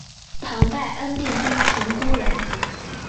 唐代安定郡鹑觚人。